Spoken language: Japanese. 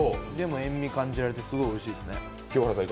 でも塩味感じられておいしいです。